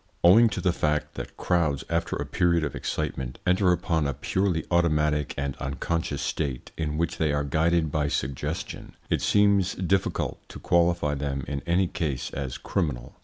Owing to the fact that crowds, after a period of excitement, enter upon a purely automatic and unconscious state, in which they are guided by suggestion, it seems difficult to qualify them in any case as criminal.